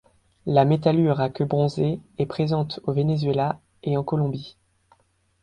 La Métallure à queue bronzée est présente au Venezuela et en Colombie.